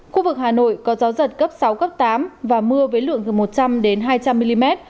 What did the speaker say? khu vực hà nội có gió giật cấp sáu cấp tám và mưa với lượng từ một trăm linh hai trăm linh mm